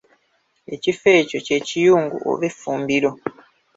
Ekifo ekyo kye Kiyungu oba effumbiro.